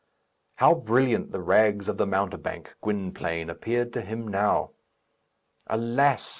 How brilliant the rags of the mountebank, Gwynplaine, appeared to him now! Alas!